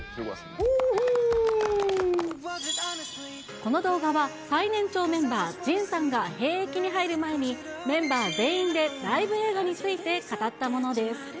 この動画は、最年長メンバー、ジンさんが兵役に入る前に、メンバー全員でライブ映画について語ったものです。